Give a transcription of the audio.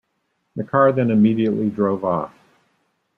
The car then immediately drove off.